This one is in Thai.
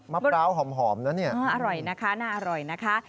มะพร้าวหอมแล้วเนี่ยอร่อยนะคะน่าอร่อยนะคะ